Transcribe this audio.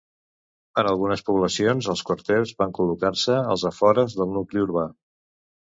En algunes poblacions, els quarters van col·locar-se als afores del nucli urbà.